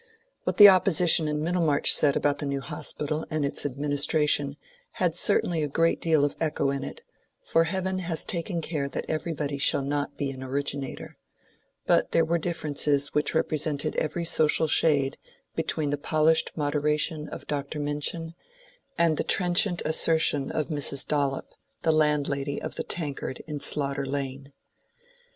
What the opposition in Middlemarch said about the New Hospital and its administration had certainly a great deal of echo in it, for heaven has taken care that everybody shall not be an originator; but there were differences which represented every social shade between the polished moderation of Dr. Minchin and the trenchant assertion of Mrs. Dollop, the landlady of the Tankard in Slaughter Lane.